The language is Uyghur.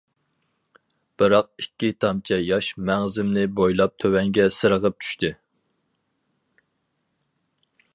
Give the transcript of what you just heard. بىراق ئىككى تامچە ياش مەڭزىمنى بويلاپ تۆۋەنگە سىرغىپ چۈشتى.